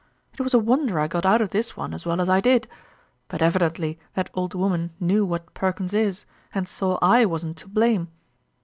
It was a wonder I got out of this one as well as I did ; but evi dently that old woman knew what Perkins is, and saw / wasn't to blame.